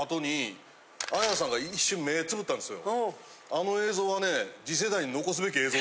あの映像はね。